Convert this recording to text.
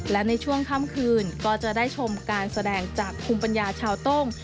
และในช่วงค่ำคืนก็จะได้ชมการแสดงจากภูมิปัญญาชาวต้ง